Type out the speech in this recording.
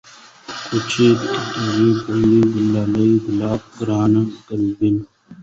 كوچى ، گټيالی ، گړندی ، گلالی ، گلاب ، گران ، گلبڼ